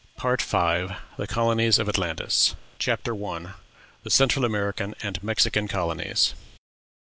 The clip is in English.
PART V. THE COLONIES OF ATLANTIS. CHAPTER I. THE CENTRAL AMERICAN AND MEXICAN COLONIES.